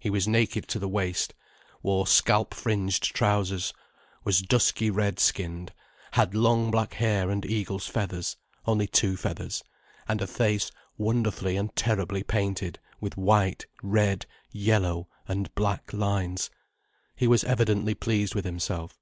He was naked to the waist, wore scalp fringed trousers, was dusky red skinned, had long black hair and eagle's feathers—only two feathers—and a face wonderfully and terribly painted with white, red, yellow, and black lines. He was evidently pleased with himself.